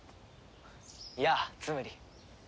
やあツムリ。